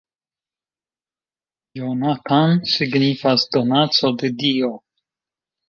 Jonathan signifas 'donaco de dio'.